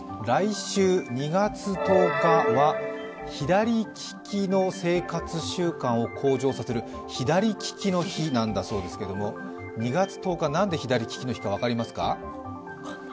来週２月１０日は、左利きの生活習慣を向上させる左利きの日なんだそうですけれども２月１０日、なんで左利きの日か分かりますか？